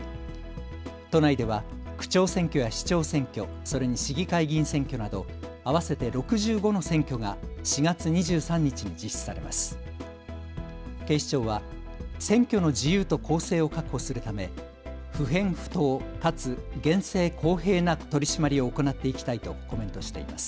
都内では区長選挙や市長選挙、それに市議会議員選挙など合わせて６５の選挙が４月２３日に実施されます。